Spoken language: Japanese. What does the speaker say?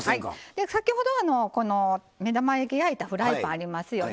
で先ほどこの目玉焼き焼いたフライパンありますよね。